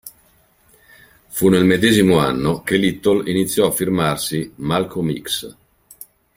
Fu nel medesimo anno che Little iniziò a firmarsi "Malcolm X".